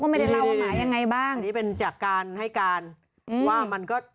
ไม่ได้เล่าหมายังไงบ้างนี่เป็นจากการให้การอืมว่ามันก็